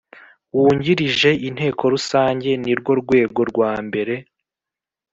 wungirije Inteko Rusange nirwo rwego rwambere